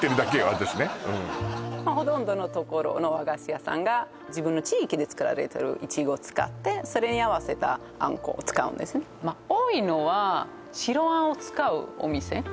私ねほとんどの所の和菓子屋さんが自分の地域で作られてるいちごを使ってそれに合わせたあんこを使うんですねまあ多いのは白あんを使うお店